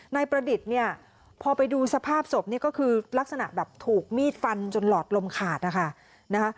นายประดิษฐ์เนี่ยพอไปดูสภาพศพนี่ก็คือลักษณะแบบถูกมีดฟันจนหลอดลมขาดนะคะ